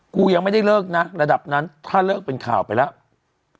กูยังไม่ได้เลิกนะระดับนั้นถ้าเลิกเป็นข่าวไปแล้ว